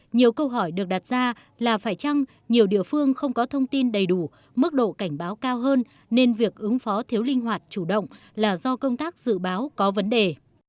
nhiều câu hỏi được đặt ra là phải chăng nhiều địa phương không có thông tin đầy đủ mức độ cảnh báo cao hơn nên việc ứng phó thiếu linh hoạt chủ động là do công tác dự báo có vấn đề